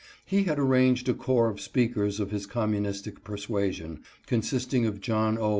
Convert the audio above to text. He had arranged a corps of speakers of his communistic persuasion, con sisting of John 0.